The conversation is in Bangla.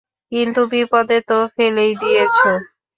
কিন্তু বিপদে তো ফেলেই দিয়েছ।